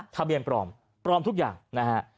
ทะเบียนปลอมปลอมทุกอย่างนะฮะ